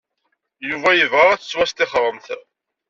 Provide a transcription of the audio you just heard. Yuba yebɣa ad tettwastixremt.